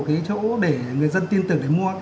cái chỗ để người dân tin tưởng để mua